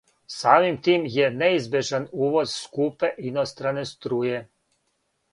Самим тим је неизбежан увоз скупе, иностране струје.